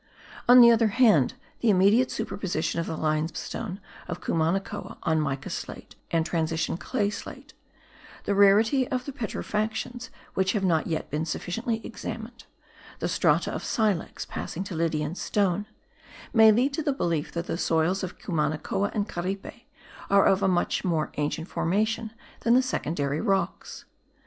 On the other hand the immediate superposition of the limestone of Cumanacoa on mica slate and transition clay slate the rarity of the petrifactions which have not yet been sufficiently examined the strata of silex passing to Lydian stone, may lead to the belief that the soils of Cumanacoa and Caripe are of much more ancient formation than the secondary rocks.